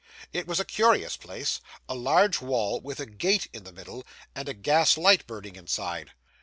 It was a curious place: a large wall, with a gate in the middle, and a gas light burning inside.